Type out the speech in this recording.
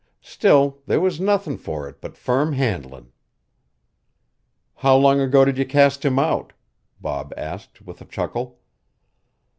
Still, there was nothin' for it but firm handlin'." "How long ago did you cast him out?" Bob asked with a chuckle.